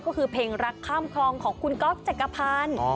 ก็คือเพลงรักข้ามคลองของคุณก๊อฟจักรพันธ์